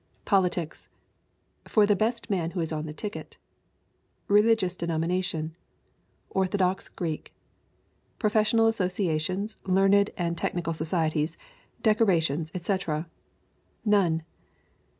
Politics: For the best man who is on the ticket. Religious denomination: Orthodox Greek. Professional associations, learned and technical societies, decorations, etc.: None.